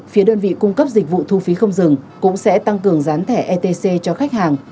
phía đơn vị cung cấp dịch vụ thu phí không dừng cũng sẽ tăng cường gián thẻ etc cho khách hàng